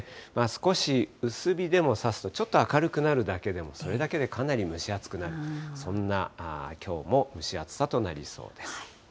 少し薄日でもさすと、ちょっと明るくなるだけでも、それだけでかなり蒸し暑くなる、そんなきょうも蒸し暑さとなりそうです。